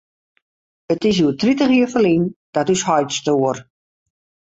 It is hjoed tritich jier ferlyn dat ús heit stoar.